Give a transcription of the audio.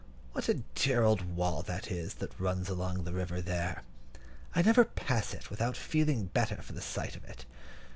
What a dear old wall that is that runs along by the river there! I never pass it without feeling better for the sight of it.